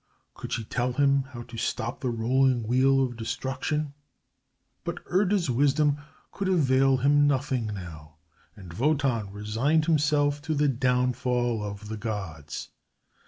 Could she tell him how to stop the rolling wheel of destruction? But Erda's wisdom could avail him nothing now, and Wotan resigned himself to the downfall of the gods.